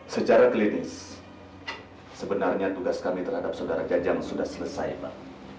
secara klinis sebenarnya tugas kami terhadap saudara jajang sudah selesai pak